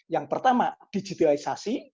yang pertama digitalisasi